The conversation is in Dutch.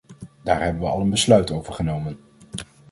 Daar hebben we al een besluit over genomen.